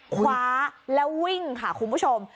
คว้าแล้ววิ่งค่ะคุณผู้ชม